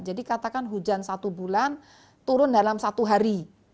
jadi katakan hujan satu bulan turun dalam satu hari